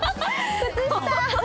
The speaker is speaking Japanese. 靴下。